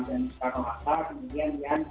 dan di sekolah kota kemudian yang